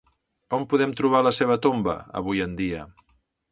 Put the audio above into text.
On podem trobar la seva tomba avui en dia?